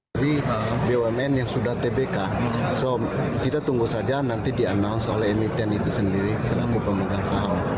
jadi bumn yang sudah tbk kita tunggu saja nanti dianounce oleh emiten itu sendiri selaku pembangunan saham